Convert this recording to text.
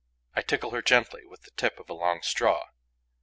I tickle her gently with the tip of a long straw.